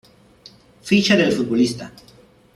Ficha del futbolista